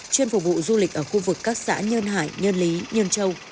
chuyên phục vụ du lịch ở khu vực các xã nhơn hải nhơn lý nhơn châu